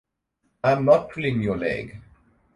I am not pulling your leg.